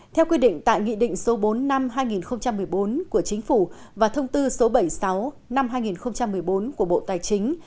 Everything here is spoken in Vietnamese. theo quy định tại nghị định số bốn năm hai nghìn một mươi bốn của chính phủ và thông tư số bảy mươi sáu năm hai nghìn một mươi bốn của bộ tài chính